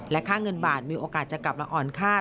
ค่าเงินบาทมีโอกาสจะกลับมาอ่อนค่า